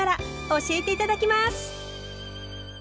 教えて頂きます。